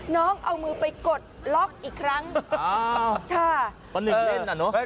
น้องเอามือไปกดล็อกอีกครั้งอ้าวค่ะประหนึ่งเล่นอ่ะเนอะ